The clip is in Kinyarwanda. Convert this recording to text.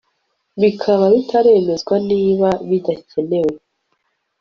Bikaba bitaremezwa niba bidakenewe